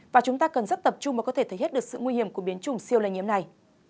và chúng ta cần rất tập trung và có thể thấy hết được sự nguy hiểm của biến chủng siêu lây nhiễm này